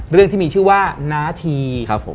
เรื่องที่มีชื่อว่านาธี